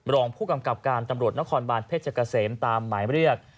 รองผู้กำกับการตำรวจนครบานเพชรเกษมตามหมายเรียก